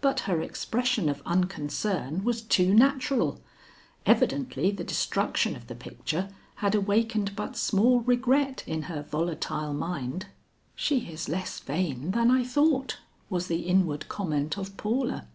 But her expression of unconcern was too natural; evidently the destruction of the picture had awakened but small regret in her volatile mind. "She is less vain than I thought," was the inward comment of Paula.